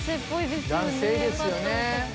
男性ですよね。